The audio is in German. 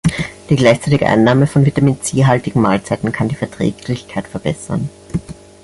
Die gleichzeitige Einnahme von Vitamin-C-haltigen Mahlzeiten kann die Verträglichkeit verbessern.